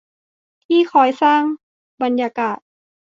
ที่คอยสร้างบรรยากาศ